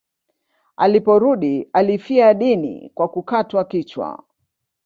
Aliporudi alifia dini kwa kukatwa kichwa.